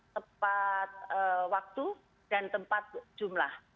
tempat waktu dan tempat jumlah